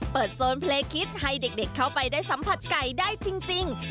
โซนเพลงคิดให้เด็กเข้าไปได้สัมผัสไก่ได้จริง